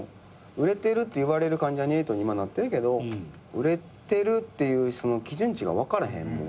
売れてるって言われる関ジャニ∞に今なってるけど売れてるっていう基準値が分からへんもん。